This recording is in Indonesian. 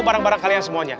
barang barang kalian semuanya